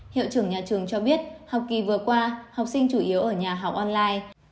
hiệu trưởng nhà trường cho biết học kỳ vừa qua học sinh chủ yếu ở nhà học online